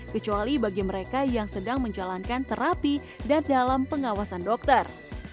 kecuali bagi mereka yang sedang menjalankan terapi dan dalam pengawasan dokter